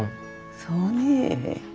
そうね。